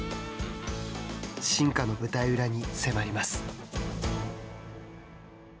進化の舞台裏に迫ります。